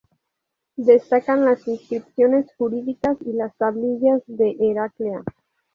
Destacan las inscripciones jurídicas y las tablillas de Heraclea.